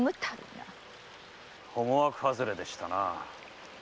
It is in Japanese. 思惑外れでしたな。